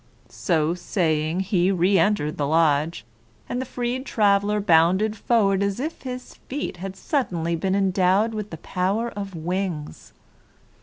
So saying, he re entered the lodge, and the freed traveler bounded forward as if his feet had suddenly been endowed with the power of wings.